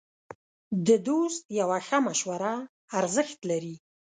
د دوست یوه ښه مشوره ارزښت لري.